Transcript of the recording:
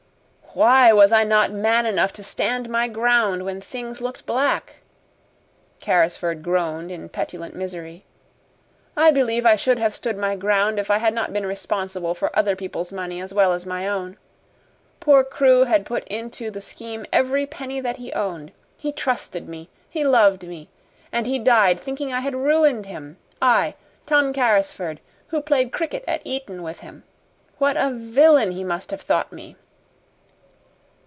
"Why was I not man enough to stand my ground when things looked black?" Carrisford groaned in petulant misery. "I believe I should have stood my ground if I had not been responsible for other people's money as well as my own. Poor Crewe had put into the scheme every penny that he owned. He trusted me he LOVED me. And he died thinking I had ruined him I Tom Carrisford, who played cricket at Eton with him. What a villain he must have thought me!"